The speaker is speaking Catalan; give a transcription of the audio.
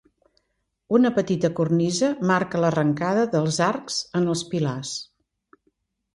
Una petita cornisa marca l'arrencada dels arcs en els pilars.